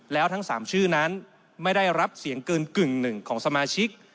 แล้วทั้ง๓ชื่อนั้นไม่ได้รับเสียงเกินกึ่งหนึ่งของสมาชิก